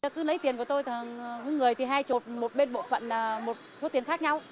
cứ lấy tiền của tôi với người thì hai trộn một bên bộ phận là một phút tiền khác nhau